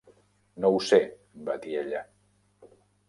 "No ho sé", va dir ella.